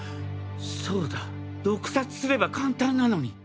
そうだ毒殺すれば簡単なのに。